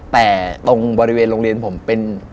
แต่ตรงบริเวณโรงเรียนผมเป็น